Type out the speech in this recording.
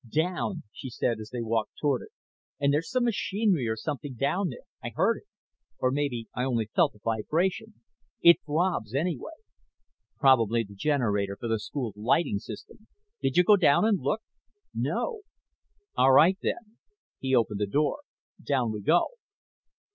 "Down," she said as they walked toward it. "And there's some machinery or something down there. I heard it. Or maybe I only felt the vibrations. It throbs, anyway." "Probably the generator for the school's lighting system. Did you go down and look?" "No." "All right, then." He opened the door. "Down we go."